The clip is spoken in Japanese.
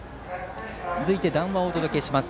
続いて、談話をお届けします。